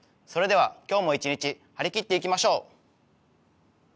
それでは今日も一日、張り切っていきましょう！